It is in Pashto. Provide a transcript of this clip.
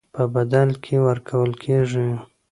په بدل کې ورکول کېږي.